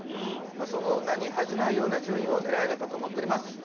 その名に恥じないような順位を狙えればと思っています。